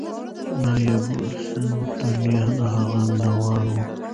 نایبالسلطنه د هغې مینهوال و.